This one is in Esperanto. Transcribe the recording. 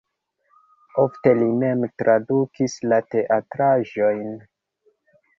Ofte li mem tradukis la teatraĵojn.